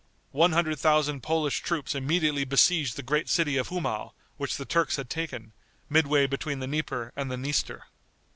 One hundred thousand Polish troops immediately besieged the great city of Humau, which the Turks had taken, midway between the Dnieper and the Dniester.